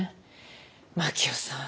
真樹夫さん